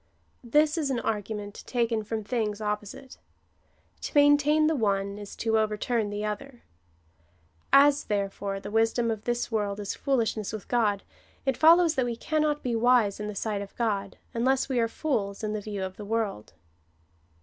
This is an argument taken from things opposite. To maintain the one is to overturn the other. As, therefore, the wisdom of this world is foolishness with God, it follows that we cannot be wise in the sight of God, unless we are fools in the view of the world.